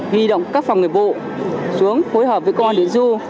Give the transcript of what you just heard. huy động các phòng người bộ xuống hối hợp với công an tỉnh du